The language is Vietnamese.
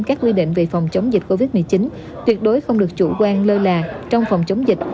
các quy định về phòng chống dịch covid một mươi chín tuyệt đối không được chủ quan lơ là trong phòng chống dịch